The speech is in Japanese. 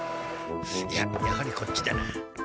いややはりこっちだな。